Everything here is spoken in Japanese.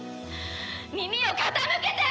耳を傾けて！